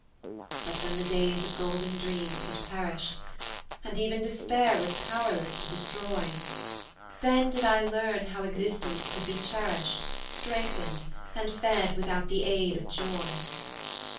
But, when the days of golden dreams had perished, And even Despair was powerless to destroy; Then did I learn how existence could be cherished, Strengthened, and fed without the aid of joy.